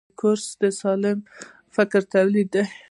کورس د سالم فکر تولیدوي.